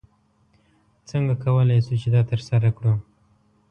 څنګه کولی شو چې دا ترسره کړو؟